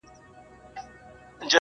لا یې منځ د شنه ځنګله نه وو لیدلی -